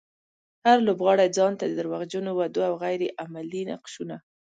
هر لوبغاړی ځانته د دروغجنو وعدو او غير عملي نقشونه.